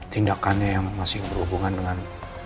tindakannya yang masih berhubungan dengan